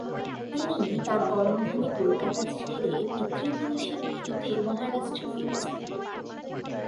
তিনি তাঁর কর্মভূমি কলকাতা ছেড়ে, পিতৃপুরুষের ভিটে মহারাষ্ট্রে ফিরে যান।